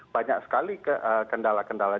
banyak sekali kendala kendala